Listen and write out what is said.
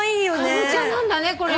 カボチャなんだねこれが。